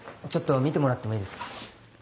ちょっと見てもらってもいいですか？